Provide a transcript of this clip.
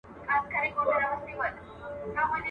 په خلوت کي وو ملګری د شیخانو.